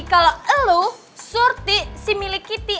kalau lo surti si milik kita